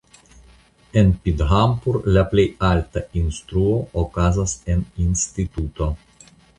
En Pithampur la plej alta instruo okazas en instituto.